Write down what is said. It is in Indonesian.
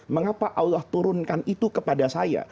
mengapa allah turunkan itu kepada saya